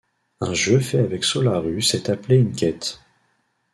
Un jeu fait avec Solarus est appelé une quête.